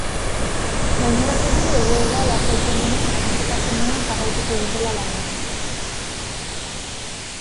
Gaineratu du, egoera lasaitzen denean, osotasunean jarraituko dutela lanean.